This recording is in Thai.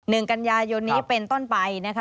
หนึ่งกันยายนนี้เป็นต้นไปนะคะ